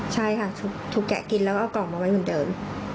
ใช่ค่ะถูกแกะกินแล้วก็เอากล่องมาไว้เหมือนเดิม